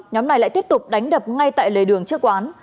nhóm này lại tiếp tục đánh đập ngay tại lề đường trước quán